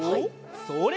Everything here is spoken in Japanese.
それ！